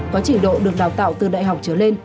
có trình độ được đào tạo từ đại học trở lên